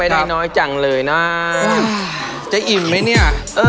แต่อร่อยนะอร่อย